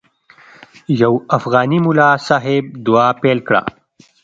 یو افغاني ملا صاحب دعا پیل کړه.